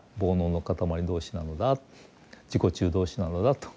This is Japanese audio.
自己中同士なのだと。